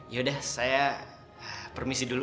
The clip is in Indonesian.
yaudah saya permisi dulu